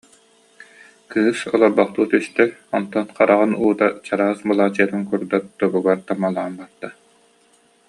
Кыыс олорбохтуу түстэ, онтон хараҕын уута чараас былааччыйатын курдат тобугар таммалаан барда